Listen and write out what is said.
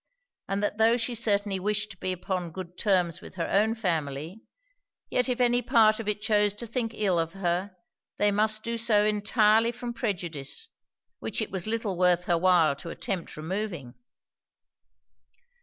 And that tho' she certainly wished to be upon good terms with her own family, yet if any part of it chose to think ill of her, they must do so entirely from prejudice, which it was little worth her while to attempt removing.'